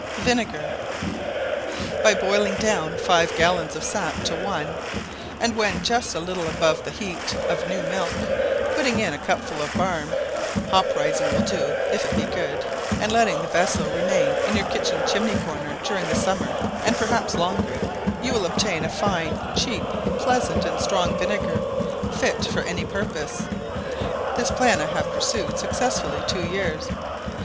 VINEGAR. By boiling down five gallons of sap to one, and when just a little above the heat of new milk, putting in a cupful of barm (hop rising will do if it be good), and letting the vessel remain in your kitchen chimney corner during the summer, and perhaps longer, you will obtain a fine, cheap, pleasant, and strong vinegar, fit for any purpose. This plan I have pursued successfully two years.